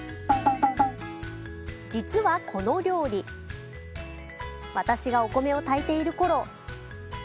実はこの料理私がお米を炊いている頃。